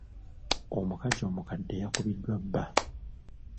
Omukazi omukadde yakubiddwa bba.